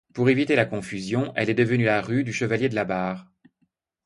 Pour éviter la confusion, elle est devenue la rue du Chevalier-de-la-Barre.